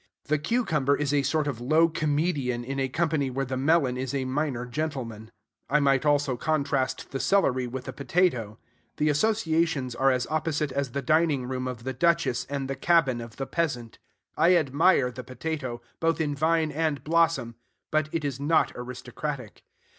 The cucumber is a sort of low comedian in a company where the melon is a minor gentleman. I might also contrast the celery with the potato. The associations are as opposite as the dining room of the duchess and the cabin of the peasant. I admire the potato, both in vine and blossom; but it is not aristocratic.